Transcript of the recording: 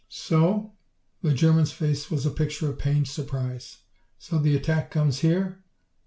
"So?" The German's face was a picture of pained surprise. "So the attack comes here?